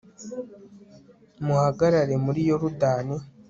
muhagarare muri yorudani